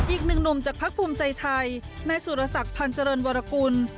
อีกหนึ่งหนุ่มจากพักภูมิใจไทยนายสุรศักดิ์พันธ์เจริญวรกุล